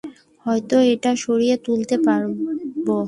হয়তো এটা সারিয়ে তুলতে পারব।